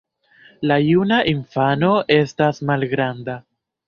La juna infano estas malgranda.